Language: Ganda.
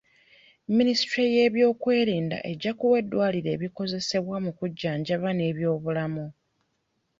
Minisitule y'ebyokwerinda ejja kuwa eddwaliro ebikozesebwa mu kujjanjaba n'ebyobulamu.